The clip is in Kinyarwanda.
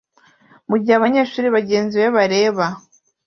mugihe abanyeshuri bagenzi be bareba